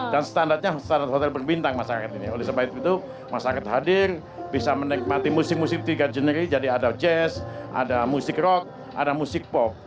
dan standarnya standar hotel berbintang masyarakat ini oleh sebab itu masyarakat hadir bisa menikmati musik musik tiga jenis jadi ada jazz ada musik rock ada musik pop